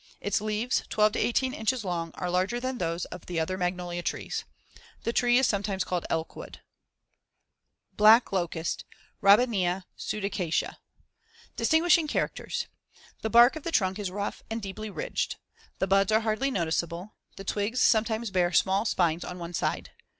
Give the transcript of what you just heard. Its leaves, twelve to eighteen inches long, are larger than those of the other magnolia trees. The tree is sometimes called elkwood. BLACK LOCUST (Robinia pseudacacia) Distinguishing characters: The *bark* of the trunk is rough and deeply ridged, as shown in Fig. 81. The *buds* are hardly noticeable; the twigs sometimes bear small spines on one side.